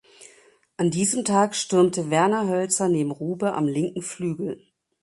An diesem Tag stürmte Werner Hölzer neben Rube am linken Flügel.